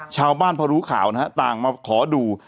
ชาวบ้านพอรู้ข่าวนะฮะต่างมาขอดู